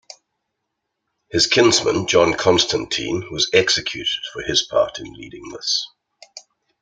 His kinsman John Constantine, was executed for his part in leading this.